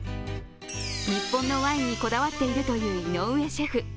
日本のワインにこだわっているという井上シェフ。